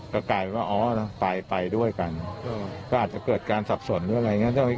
ก็กลายว่าอ๋อนะไปไปด้วยกันก็อาจจะเกิดการสับสนหรืออะไรอย่างนี้